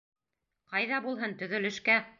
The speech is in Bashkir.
— Ҡайҙа булһын, төҙөлөшкә!